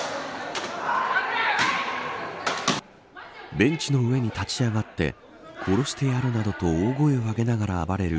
ベンチの上に立ち上がって殺してやるなどと大声を上げながら暴れる